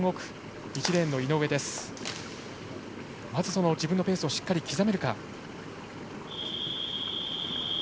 まず、自分のペースをしっかり刻めるか。